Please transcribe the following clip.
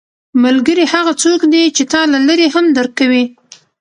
ملګری هغه څوک دی چې تا له لرې هم درک کوي